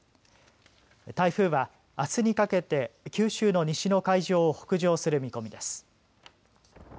台風はあすにかけて九州の西の海上を北上する見込みです。